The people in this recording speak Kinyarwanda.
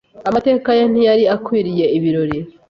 Amateka ye ntiyari akwiriye ibirori.